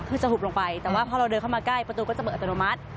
คือจะหุบลงไปแต่ว่าพอเราเดินเข้ามาใกล้ประตูก็จะเปิดอัตโนมัติ